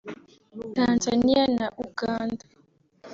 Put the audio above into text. Tanzania na Uganda